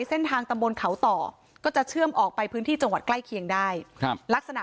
เส้นทางตำบลเขาต่อก็จะเชื่อมออกไปพื้นที่จังหวัดใกล้เคียงได้ครับลักษณะ